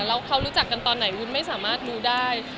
แล้วเขารู้จักกันตอนไหนวุ้นไม่สามารถรู้ได้